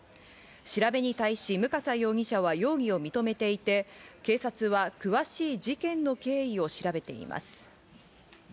調べに対し、向笠容疑者は容疑を認めていて、警察は詳しい事件の経緯を調べています。